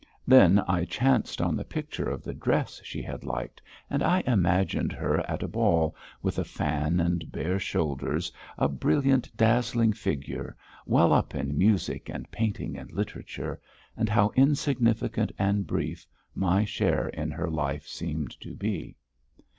Then I chanced on the picture of the dress she had liked and I imagined her at a ball, with a fan, and bare shoulders, a brilliant, dazzling figure, well up in music and painting and literature, and how insignificant and brief my share in her life seemed to be!